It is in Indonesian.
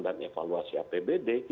dan evaluasi apbd